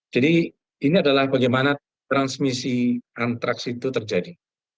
jadi ini adalah bagaimana transmisi antraks itu terjadi